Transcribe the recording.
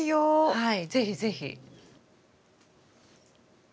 はい是非是非。